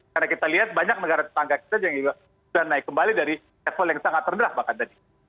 karena kita lihat banyak negara tetangga kita yang juga sudah naik kembali dari level yang sangat terderah bahkan tadi